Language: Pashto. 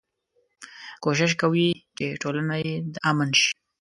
کوشش کوي چې ټولنه يې د امن شي.